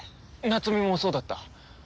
夏美もそうだった。